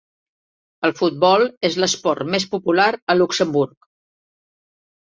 El futbol és l'esport més popular a Luxemburg.